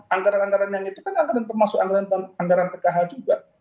anggaran anggaran yang itu kan anggaran termasuk anggaran pkh juga